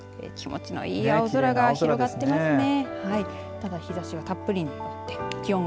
気持ちのいい青空が広がっていますね。